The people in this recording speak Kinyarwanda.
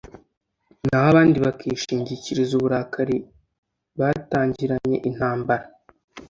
naho abandi bakishingikiriza uburakari batangiranye intambara